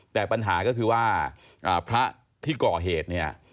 แต่ปัญหาก็คือว่าพระที่ก่อเหตุเนี่ย